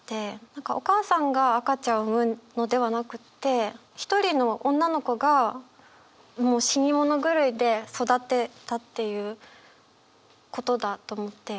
何かお母さんが赤ちゃんを産むのではなくて一人の女の子がもう死に物狂いで育てたっていうことだと思って。